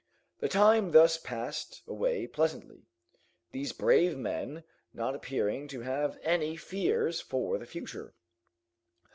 The time thus passed away pleasantly, these brave men not appearing to have any fears for the future.